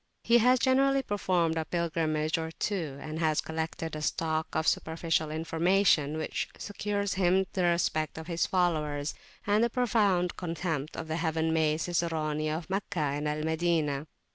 He has generally performed a pilgrimage or two, and has collected a stock of superficial information which secures for him the respect of his followers, and the profound contempt of the heaven made Ciceroni of Meccah and Al Madinah.